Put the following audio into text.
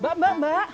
mbak mbak mbak